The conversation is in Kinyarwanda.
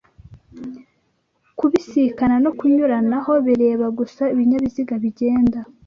kubisikana no kunyuranaho bireba gusa ibinyabiziga bigenda